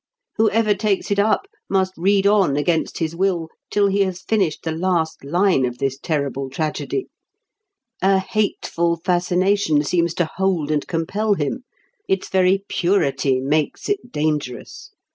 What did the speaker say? Whoever takes it up must read on against his will till he has finished the last line of this terrible tragedy; a hateful fascination seems to hold and compel him. Its very purity makes it dangerous.